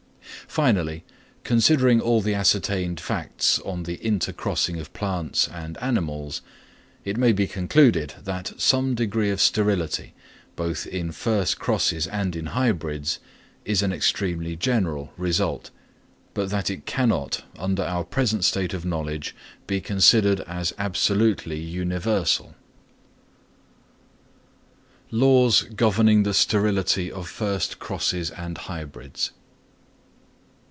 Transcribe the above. Finally, considering all the ascertained facts on the intercrossing of plants and animals, it may be concluded that some degree of sterility, both in first crosses and in hybrids, is an extremely general result; but that it cannot, under our present state of knowledge, be considered as absolutely universal. _Laws governing the Sterility of first Crosses and of Hybrids.